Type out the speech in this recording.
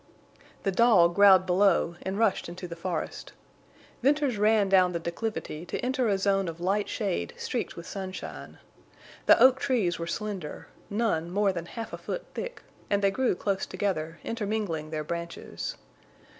The dog growled below and rushed into the forest. Venters ran down the declivity to enter a zone of light shade streaked with sunshine. The oak trees were slender, none more than half a foot thick, and they grew close together, intermingling their branches.